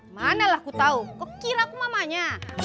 manalah ku tau kok kira aku mamanya